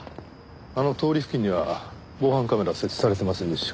あの通り付近には防犯カメラは設置されてませんでした。